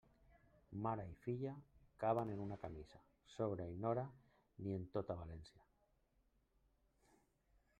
Mare i filla caben en una camisa; sogra i nora, ni en tota València.